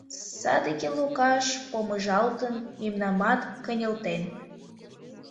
Садыге Лукаш помыжалтын, мемнамат кынелтен.